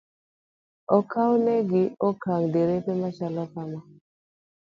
Okawnegi okang' derepe ma chalo kamano.